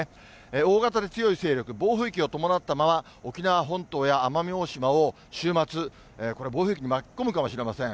大型で強い勢力、暴風域を伴ったまま、沖縄本島や奄美大島を、週末、これ、暴風域に巻き込むかもしれません。